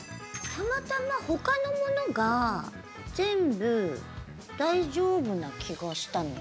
たまたま他のものが全部、大丈夫な気がしたんで。